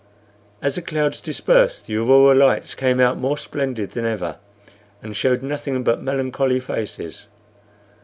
As the clouds dispersed the aurora lights came out more splendid than ever, and showed nothing but melancholy faces.